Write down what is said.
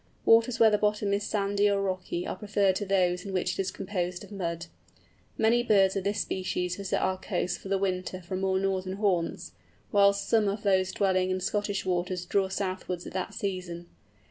Waters where the bottom is sandy or rocky, are preferred to those in which it is composed of mud. Many birds of this species visit our coasts for the winter from more northern haunts, whilst some of those dwelling in Scottish waters draw southwards at that season.